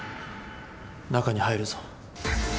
中に入るぞ。